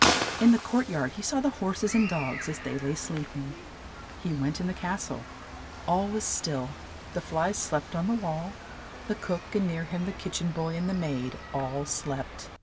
In the court yard he saw the hor ses and dogs as they lay sleep ing. He went in the cas tle ; all was still, the flies slept on the wall, the cook, and near him the kitch en boy, and the maid, all slept.